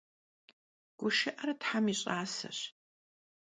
Guşşı'er them yi ş'aseş.